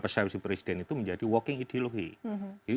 persetujuan presiden itu menjadi walking ideology